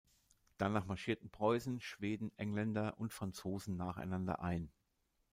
Danach marschierten Preußen, Schweden, Engländer und Franzosen nacheinander ein.